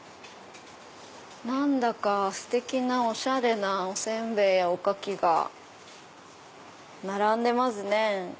何だかステキなおしゃれなお煎餅やおかきが並んでますね。